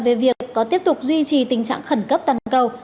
về việc có tiếp tục duy trì tình trạng khẩn cấp toàn cầu